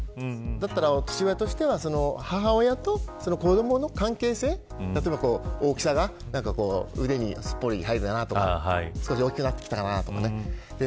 だったら、父親としては母親と子どもの関係性例えば、大きさが腕にすっぽり入るかなとか少し大きくなってきたのかなとかね。